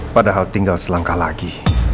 padahal tinggal selangkah lagi